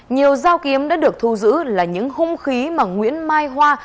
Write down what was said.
nhiều dao kiếm đã được thu giữ là những hung khí mà nguyễn mai hoa